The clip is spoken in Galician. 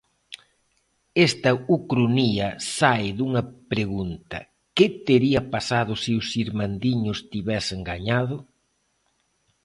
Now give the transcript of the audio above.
Esta ucronía sae dunha pregunta: que tería pasado se os Irmandiños tivesen gañado?